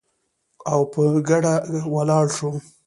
او په ګډه ولاړ شو